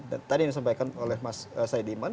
dan tadi yang disampaikan oleh mas said iman